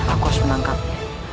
aku harus menangkapnya